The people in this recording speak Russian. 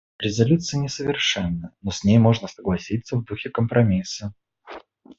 Резолюция несовершенна, но с ней можно согласиться в духе компромисса.